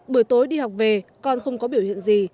buổi tối đi học về con không có biểu hiện gì